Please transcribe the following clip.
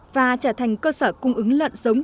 và trở thành cơ sở cung ứng lợn giống